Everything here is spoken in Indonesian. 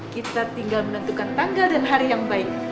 kita tinggal menentukan tanggal dan hari yang baik